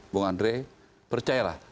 bung andre percayalah